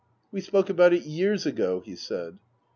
" We spoke about it years ago," he said.